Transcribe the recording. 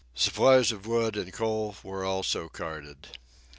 Supplies of wood and coal were also carted.